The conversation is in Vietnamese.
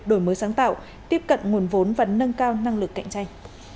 đổi mới sáng tạo tiếp cận nguồn vốn và nâng cao năng lực cạnh tranh